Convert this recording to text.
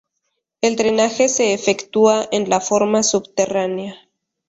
El drenaje se efectúa en la forma subterránea.